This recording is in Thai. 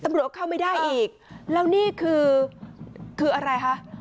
ตำรวจเข้าไม่ได้อีกแล้วนี่คือคืออะไรคะ